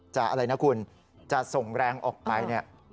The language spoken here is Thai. อะไรนะคุณจะส่งแรงออกไปเนี่ย